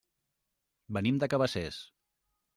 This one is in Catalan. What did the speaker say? Venim de Cabacés.